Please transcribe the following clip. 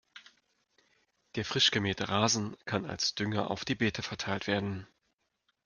Der frisch gemähte Rasen kann als Dünger auf die Beete verteilt werden.